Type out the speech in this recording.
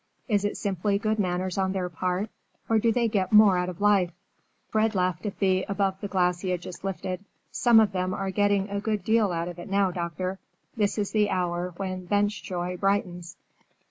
Is it simply good manners on their part, or do they get more out of life?" Fred laughed to Thea above the glass he had just lifted. "Some of them are getting a good deal out of it now, doctor. This is the hour when bench joy brightens."